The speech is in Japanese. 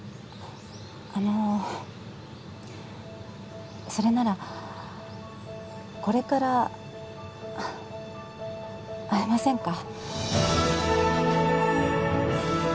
あのそれならこれから会えませんか？